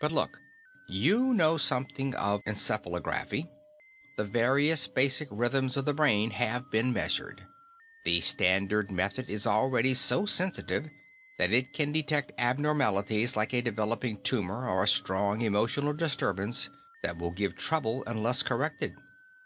But look, you know something of encephalography. The various basic rhythms of the brain have been measured. The standard method is already so sensitive that it can detect abnormalities like a developing tumor or a strong emotional disturbance, that will give trouble unless corrected.